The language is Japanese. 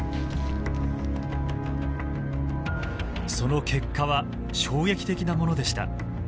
その結果は衝撃的なものでした。